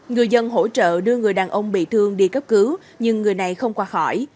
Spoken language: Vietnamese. người dân hỗ trợ đưa người đàn ông bị thương đi cấp cứu nhưng người này không qua khỏi